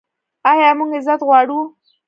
آیا موږ عزت غواړو؟